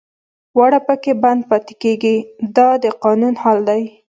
واړه پکې بند پاتې کېږي دا د قانون حال دی.